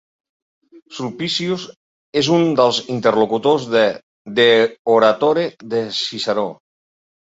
Sulpicius és un dels interlocutors de "De oratore" de Ciceró.